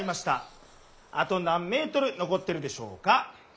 あと何メートル残ってるでしょうか？」。